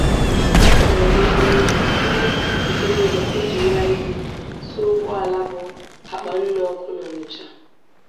Ihe Mberede Okporo Ụzọ: Ndị Ntorobịa Ejirila Iwe Suo Ụgbọala Bu Àkpà Nnu Ọkụ n'Ọnịtsha